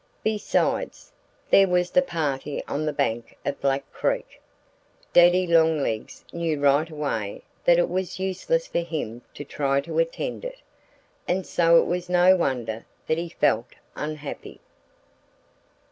Besides, there was the party on the bank of Black Creek! Daddy Longlegs knew right away that it was useless for him to try to attend it. And so it was no wonder that he felt unhappy.